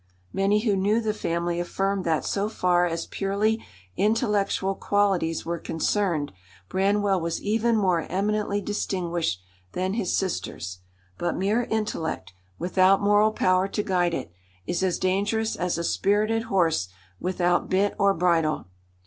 Many who knew the family affirmed that so far as purely intellectual qualities were concerned Branwell was even more eminently distinguished than his sisters; but mere intellect, without moral power to guide it, is as dangerous as a spirited horse without bit or bridle.